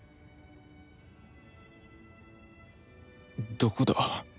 どこだ？